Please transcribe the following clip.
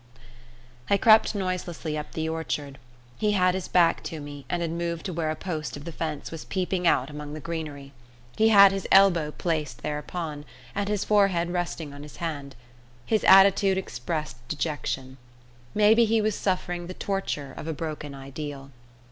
I crept noiselessly up the orchard. He had his back to me, and had moved to where a post of the fence was peeping out among the greenery. He had his elbow placed thereon, and his forehead resting on his hand. His attitude expressed dejection. Maybe he was suffering the torture of a broken ideal.